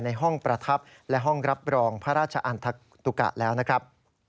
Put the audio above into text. ในห้องประทับและห้องรับรองพระราชอันตุกะแล้วนะครับ